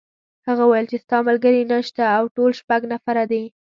هغه وویل چې ستا ملګري نشته او ټول شپږ نفره دي.